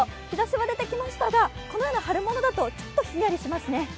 日ざしも出てきましたがこのような春物だとちょっとひんやりしますね。